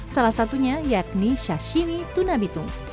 salah satunya yakni syashimi tuna bitung